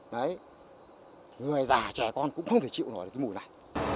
người già trẻ con cũng không thể chịu được cái mùi này